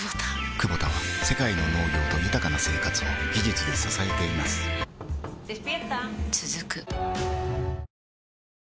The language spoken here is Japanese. クボタは世界の農業と豊かな生活を技術で支えています起きて。